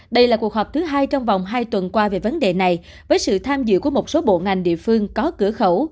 đây là cuộc họp thứ hai trong vòng hai tuần qua về vấn đề này với sự tham dự của một số bộ ngành địa phương có cửa khẩu